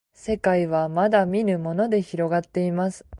せかいはまだみぬものでひろがっています